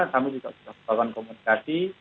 kami juga sudah melakukan komunikasi